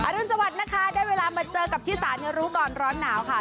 อฤทธิวัตินะคะได้เวลามาเจอกับชี้ส่านะเพราะรู้ก่อนร้อนหนาวค่ะ